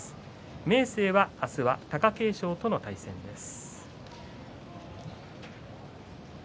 明生は明日は貴景勝との対戦です。